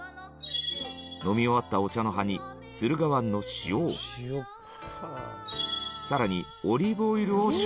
飲み終わったお茶の葉にさらにオリーブオイルを少々。